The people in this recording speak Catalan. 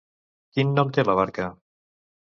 Quin nom té la barca?